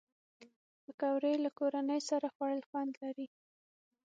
پکورې له کورنۍ سره خوړل خوند لري